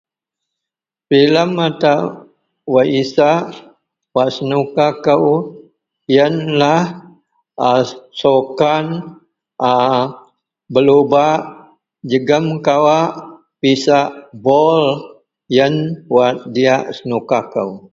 fillem atau wak isak wak senuka kou ienlah a sokan a belubak jegum kawak pisak bol ien wak diyak senuka kou